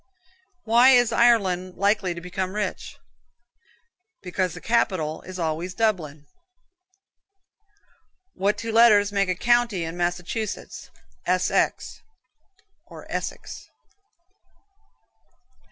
Why is Ireland likely to become rich? Because the capital is always Dublin (doubling). What two letters make a county in Massachusetts? S. X. (Essex).